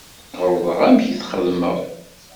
Ɣelḍeɣ amek i txedmeɣ.